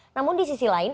namun di sisi lain